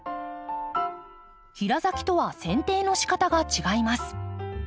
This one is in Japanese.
平咲きとはせん定の仕方が違います。